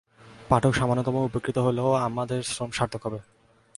পাঠক সামান্যতম উপকৃত হলেও আমাদের শ্রম সার্থক হবে।